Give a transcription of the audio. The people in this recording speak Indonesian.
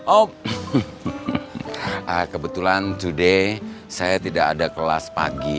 oh kebetulan today saya tidak ada kelas pagi